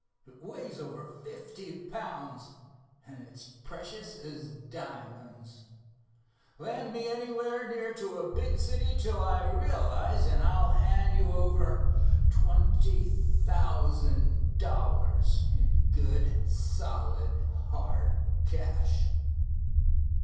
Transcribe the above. It weighs over fifty pounds, and it's precious as diamonds. Land me anywhere near to a big city till I realize, and I'll hand you over twenty thousand dollars in good, solid, hard cash."